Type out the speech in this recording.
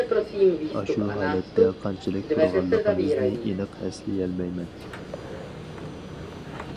ئاشۇ ھالەتتە قانچىلىك تۇرغانلىقىمىزنى ئېنىق ئەسلىيەلمەيمەن.